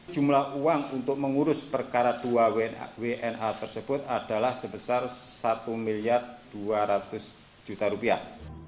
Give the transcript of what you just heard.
jumlah uang untuk mengurus perkara dua wna tersebut adalah sebesar satu dua ratus juta rupiah